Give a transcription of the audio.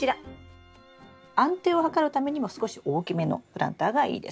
安定を図るためにも少し大きめのプランターがいいです。